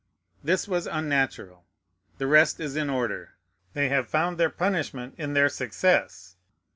This was unnatural. The rest is in order. They have found their punishment in their success.